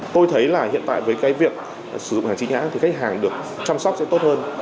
tôi thấy là hiện tại với cái việc sử dụng hàng chính hãng thì khách hàng được chăm sóc sẽ tốt hơn